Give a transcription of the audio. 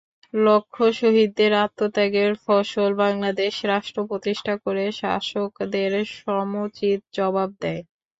লক্ষ শহীদের আত্মত্যাগের ফসল বাংলাদেশ রাষ্ট্র প্রতিষ্ঠা করে শাসকদের সমুচিত জবাব দেয়।